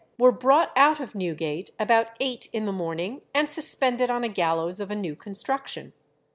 were brought out of Newgate about eight in the morning, and suspended on a gallows of a new construction.